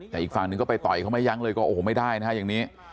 แต่อีกฝั่งหนึ่งก็ไปต่อยเขาไม่ยั้งเลยก็โอ้โหไม่ได้นะฮะอย่างนี้